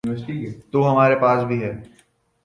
تو ہمارے پاس بھی ہے۔